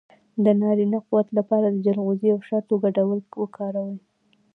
د نارینه قوت لپاره د چلغوزي او شاتو ګډول وکاروئ